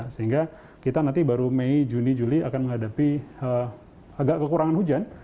sehingga kita nanti baru mei juni juli akan menghadapi agak kekurangan hujan